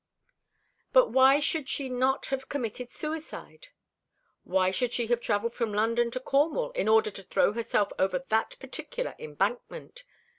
"But why should she not have committed suicide?" "Why should she have travelled from London to Cornwall in order to throw herself over that particular embankment?"